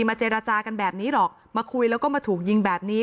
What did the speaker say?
เจรจากันแบบนี้หรอกมาคุยแล้วก็มาถูกยิงแบบนี้